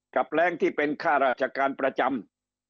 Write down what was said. แรงที่เป็นค่าราชการประจำ